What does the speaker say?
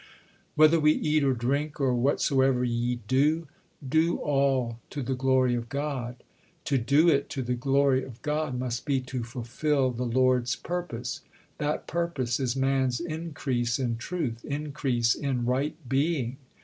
"Whether we eat or drink, or whatsoever ye do, do all to the glory of God." To do it "to the glory of God" must be to fulfil the Lord's purpose. That purpose is man's increase in truth, increase in right being.